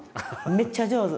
めっちゃ上手。